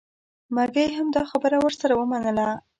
مکۍ هم دا خبره ورسره ومنله.